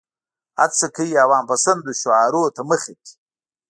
هڅه کوي عوام پسندو شعارونو ته مخه کړي.